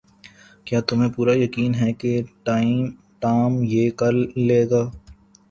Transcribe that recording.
کیا تمہیں پورا یقین ہے کہ ٹام یہ کر لے گا؟